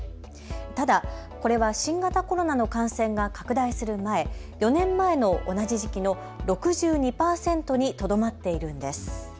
ただこれは新型コロナの感染が拡大する前、４年前の同じ時期の６２％にとどまっているんです。